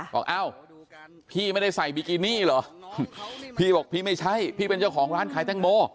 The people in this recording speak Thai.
บอกอ้าวพี่ไม่ได้ใส่บิกินี่เหรอพี่บอกพี่ไม่ใช่พี่เป็นเจ้าของร้านขายแตงโม